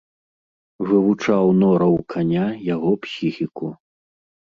Вывучаў нораў каня, яго псіхіку.